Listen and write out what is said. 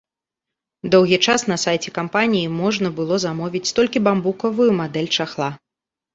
Доўгі час на сайце кампаніі можна было замовіць толькі бамбукавую мадэль чахла.